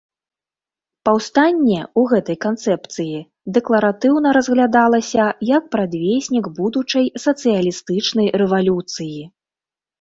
Паўстанне ў гэтай канцэпцыі дэкларатыўна разглядалася як прадвеснік будучай сацыялістычнай рэвалюцыі.